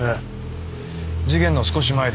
事件の少し前です。